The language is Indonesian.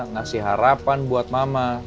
ngasih harapan buat mama